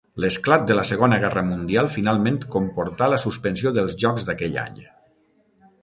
L'esclat de la Segona Guerra Mundial finalment comportà la suspensió dels Jocs d'aquell any.